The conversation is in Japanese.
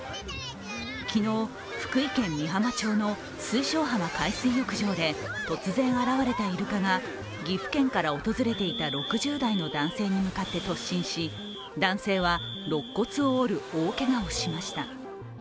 昨日、福井県美浜町の水晶浜海水浴場で突然現れたイルカが岐阜県から訪れていた６０代の男性に向かって突進し男性はろっ骨を折る大けがをしました。